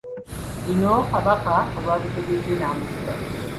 Bino kabaka olwabitegedde n'amuyita.